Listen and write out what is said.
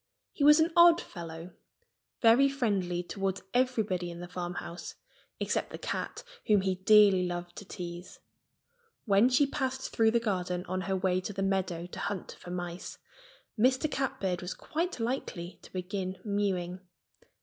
He was an odd fellow, very friendly toward everybody in the farmhouse, except the cat, whom he dearly loved to tease. When she passed through the garden on her way to the meadow to hunt for mice, Mr. Catbird was quite likely to begin mewing.